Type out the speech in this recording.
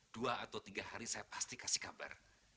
dua atau tiga hari saya pasti kasih kabar